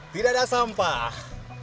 tidak ada sampah